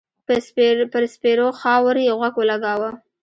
پر سپېرو خاور يې غوږ و لګاوه.